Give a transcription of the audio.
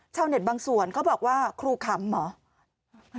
เน็ตบางส่วนเขาบอกว่าครูขำเหรอ